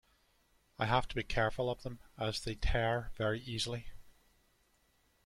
I have to be careful of them, as they tear very easily.